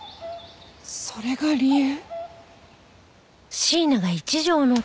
それが理由？